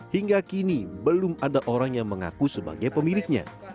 hingga kini belum ada orang yang mengaku sebagai pemiliknya